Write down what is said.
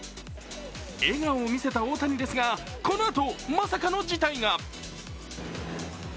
笑顔を見せた大谷ですが、このあと、まさかの事態が。